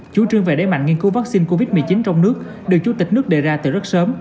chủ trương về đế mạnh nghiên cứu vaccine covid một mươi chín trong nước được chủ tịch nước đề ra từ rất sớm